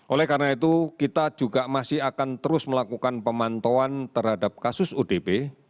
oleh karena itu kita juga masih akan terus melakukan pemantauan terhadap kasus odp